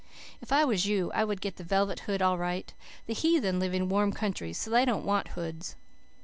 If I was you I would get the velvet hood all right. The heathen live in warm countries so they don't want hoods.